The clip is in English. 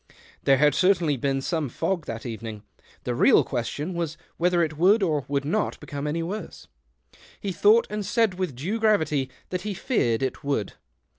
There had cer tainly been some fog that evening ; the real question was whether it w^ould or would not become any worse. He thought and said with due gravity, that he feared it would.